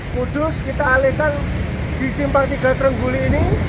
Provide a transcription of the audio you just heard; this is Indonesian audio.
kudus kita alihkan di simpang tiga trengguli ini